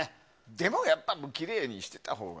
でも、やっぱりきれいにしてたほうが。